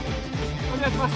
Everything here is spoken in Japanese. お願いします